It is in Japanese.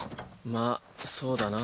まあそうだな。